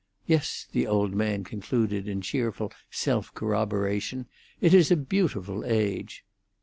Yes," the old man concluded, in cheerful self corroboration, "it is a beautiful age."